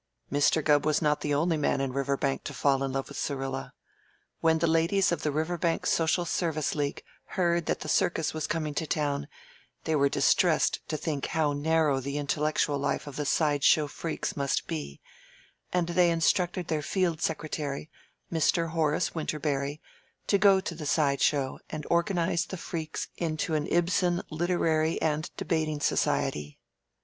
Mr. Gubb was not the only man in Riverbank to fall in love with Syrilla. When the ladies of the Riverbank Social Service League heard that the circus was coming to town they were distressed to think how narrow the intellectual life of the side show freaks must be and they instructed their Field Secretary, Mr. Horace Winterberry, to go to the side show and organize the freaks into an Ibsen Literary and Debating Society.